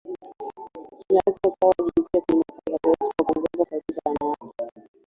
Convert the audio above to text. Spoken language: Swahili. tuna leta usawa wa jinsia kwenye matangazo yetu kwa kuongeza sauti za wanawake